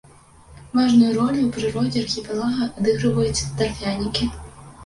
Важную ролю ў прыродзе архіпелага адыгрываюць тарфянікі.